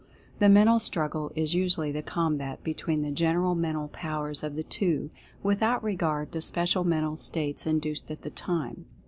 This mental strug gle is usually the combat between the general mental powers of the two, without regard to special mental states induced at the time.